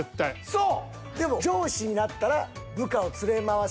そう。